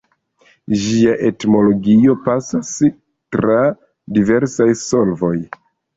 Ĝia etimologio pasas tra diversaj solvoj.